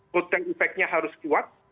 potensi efeknya harus kuat